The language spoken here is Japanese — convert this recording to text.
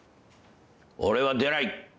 俺は出ない。